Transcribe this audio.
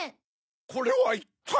これはいったい？